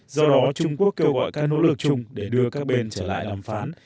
do đó trung quốc kêu gọi các nỗ lực chung để đưa các bên trở lại đàm phán